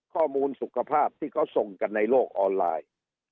ข้อมูลสุขภาพที่เขาส่งกันในโลกออนไลน์